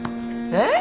えっ？